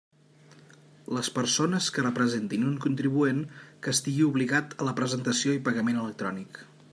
Les persones que representin un contribuent que estigui obligat a la presentació i pagament electrònic.